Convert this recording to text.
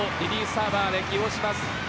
サーバーで起用します。